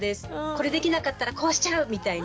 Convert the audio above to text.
これできなかったらこうしちゃう！みたいな。